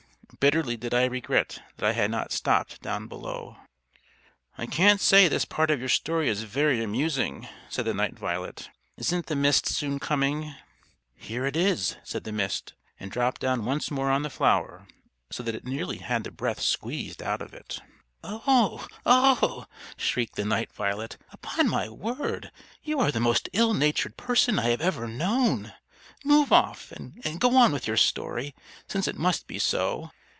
Bitterly did I regret that I had not stopped down below." "I can't say this part of your story is very amusing," said the Night Violet. "Isn't the Mist soon coming?" "Here it is!" said the Mist, and dropped down once more on the flower, so that it nearly had the breath squeezed out of it. "Ough! ough!" shrieked the Night Violet. "Upon my word, you are the most ill natured person I have ever known. Move off, and go on with your story, since it must be so."